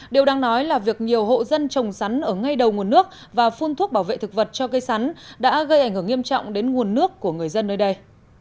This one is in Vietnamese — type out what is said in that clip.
điều đang nói là việc nhiều hộ dân trồng sắn ở ngay đầu nguồn nước và phun thuốc bảo vệ thực vật cho cây sắn đã gây ảnh hưởng nghiêm trọng đến nguồn nước của người dân nơi đây